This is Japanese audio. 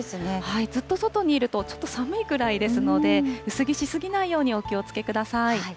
ずっと外にいると、ちょっと寒いくらいですので、薄着しすぎないようにお気をつけください。